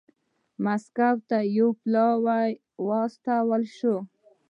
مسکو ته یو پلاوی واستول شو.